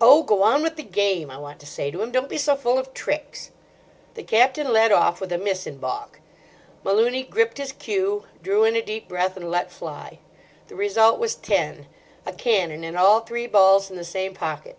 "Oh! go on with the game," I want to say to him; "don't be so full of tricks." The Captain led off with a miss in baulk. Malooney gripped his cue, drew in a deep breath, and let fly. The result was ten: a cannon and all three balls in the same pocket.